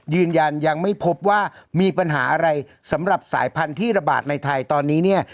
ยืนยันยังไม่พบว่ามีปัญหาอะไรสำหรับสายพันธุ์ที่ระบาดในไทยตอนนี้เนี่ย